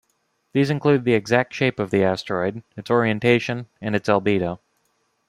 These include the exact shape of the asteroid, its orientation, and its albedo.